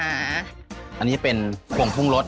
อันนี้เป็นผงปรุงรส